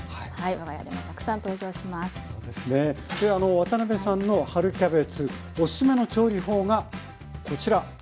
ワタナベさんの春キャベツおすすめの調理法がこちら。